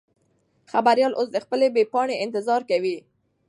خبریال اوس د خپلې بې پاڼې انتظار کوي.